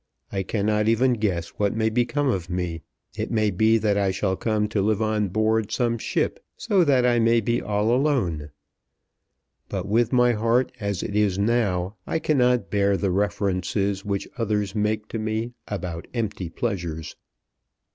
I cannot even guess what may become of me. It may be that I shall come to live on board some ship so that I may be all alone. But with my heart as it is now I cannot bear the references which others make to me about empty pleasures."